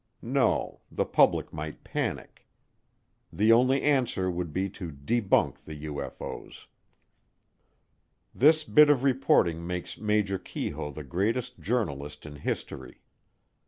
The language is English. No, the public might panic. The only answer would be to debunk the UFO's. This bit of reporting makes Major Keyhoe the greatest journalist in history.